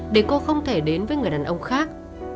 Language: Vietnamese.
để cô không thể đến với người đàn ông khác